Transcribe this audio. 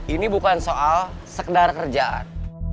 ini bukan soal sekedar kerjaan